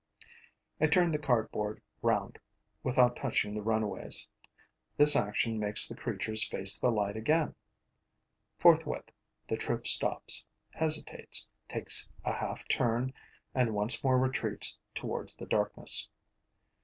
I turn the cardboard round, without touching the runaways. This action makes the creatures face the light again. Forthwith, the troop stops, hesitates, takes a half turn and once more retreats towards the darkness.